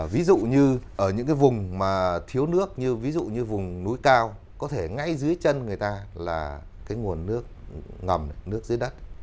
ví dụ như ở những cái vùng mà thiếu nước như ví dụ như vùng núi cao có thể ngay dưới chân người ta là cái nguồn nước ngầm nước dưới đất